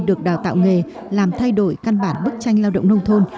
được đào tạo nghề làm thay đổi căn bản bức tranh lao động nông thôn